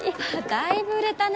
たいぶ売れたね。